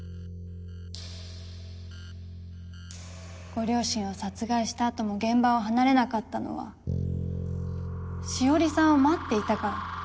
ご両親を殺害した後も現場を離れなかったのは紫織さんを待っていたから。